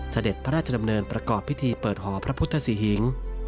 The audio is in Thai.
เสด็จพระราชดำเนินประกอบพิธีเปิดหอพระพุทธศรีหิง